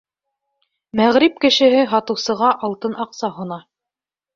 Мәғриб кешеһе һатыусыға алтын аҡса һона: